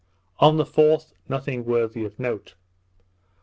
On the 4th, nothing worthy of note.